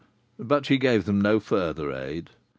"But she gave them no further aid?"